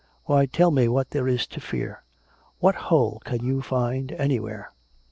Why, tell me what there is to fear? What hole can you find anywhere ?